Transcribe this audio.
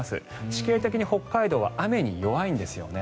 地形的に北海道は雨に弱いんですね。